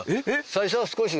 最初は少し？